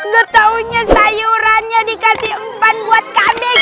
gak taunya sayurannya dikasih empan buat kambing